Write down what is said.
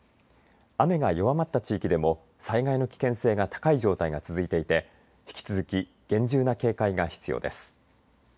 雨が弱まった地域でも災害の危険性が高い状態が続いていて、引き続き厳重な警戒が必要です。